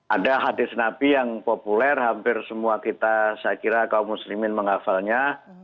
ada hadis nabi yang populer hampir semua kita saya kira kaum muslimin menghafalnya